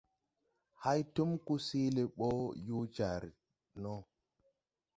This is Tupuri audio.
Hay túm ko sɛɛle bɔ yo jar no.